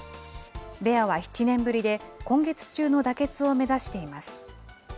ベアは７年ぶりで、今月中の妥結を目指しています。